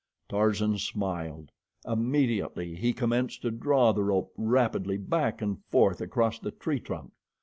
Tarzan smiled. Immediately he commenced to draw the rope rapidly back and forth across the tree trunk.